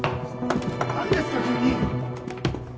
何ですか急に！？